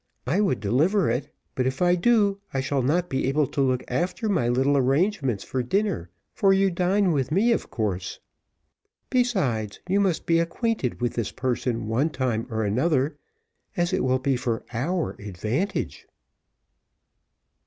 I would deliver it, but if I do, I shall not be able to look after my little arrangements for dinner, for you dine with me of course. Besides, you must be acquainted with this person one time or another, as it will be for OUR advantage."